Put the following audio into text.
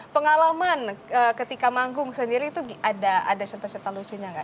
pengalaman ketika manggung sendiri itu ada syat syat halusinnya gak